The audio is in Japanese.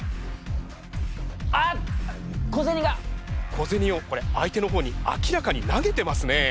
小銭をこれ相手の方に明らかに投げてますね。